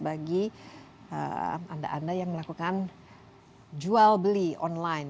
bagi anda anda yang melakukan jual beli online